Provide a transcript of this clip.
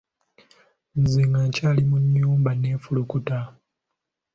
Nze nga nkyali mu nnyumba neefulukuta.